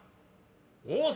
「大阪」！